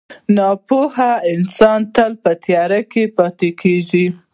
• ناپوهه انسان تل په تیارو کې پاتې کېږي.